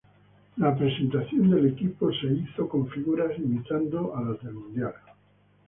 La presentación del equipo se hizo con figuritas imitando a las del Mundial.